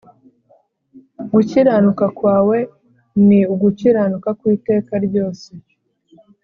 Gukiranuka kwawe ni ugukiranuka kw’iteka ryose